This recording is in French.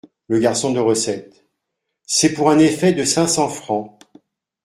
Le garçon de recette. — C’est pour un effet de cinq cents francs.